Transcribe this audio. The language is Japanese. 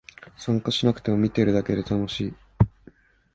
参加しなくても見てるだけで楽しい